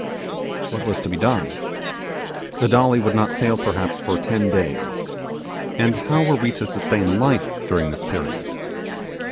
What was to be done? The Dolly would not sail perhaps for ten days, and how were we to sustain life during this period?